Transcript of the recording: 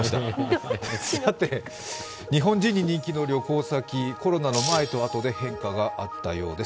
さて、日本人に人気の旅行先、コロナの前と後で変化があったようです。